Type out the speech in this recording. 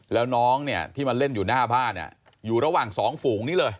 แล้วน้องเนี่ยที่มาเล่นอยู่หน้าบ้านอยู่ระหว่างสองฝูงนี้เลย